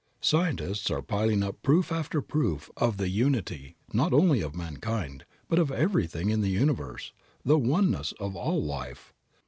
Scientists are piling up proof after proof of the unity, not only of mankind, but of everything in the universe, of the oneness of all life.